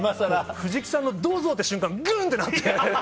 藤木さんの「どうぞ！」って瞬間グン！ってなって。